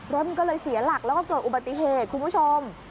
รถมันก็เลยเสียหลักแล้วก็เกิดอุบัติเหตุคุณผู้ชม